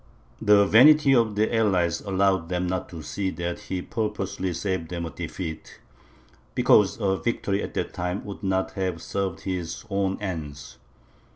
The vanity of the allies allowed them not to see that he purposely saved them a defeat, because a victory at that time would not have served his own ends.